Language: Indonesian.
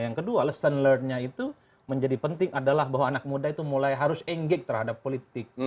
yang kedua lesson learne nya itu menjadi penting adalah bahwa anak muda itu mulai harus engage terhadap politik